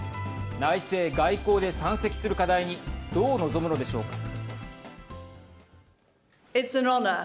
内政・外交で山積する課題にどう臨むのでしょうか。